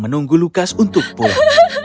menunggu lukas untuk pulang